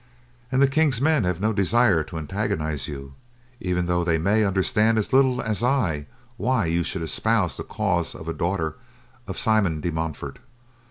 "And the King's men have no desire to antagonize you, even though they may understand as little as I why you should espouse the cause of a daughter of Simon de Montfort."